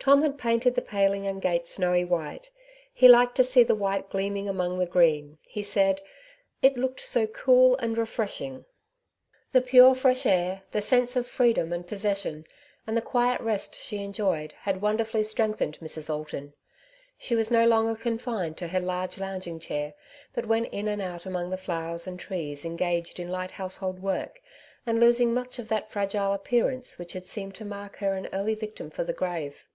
Tom had painted the paling and gate snowy white. He liked to see the white gleaming among the green, he said, ^^ it looked so cool and refreshing." Nettie's Neighbours. 133 The pure fresh air, the sense of freedom and possession, and the quiet rest she enjoyed, had wonderfully strengthened Mrs. Alton. She was no longer confined to her large lounging chair, but went in and out among the flowers and trees engaged in light household work, and losing much of that fragile appearance which had seemed to mark her an early victim for the grave.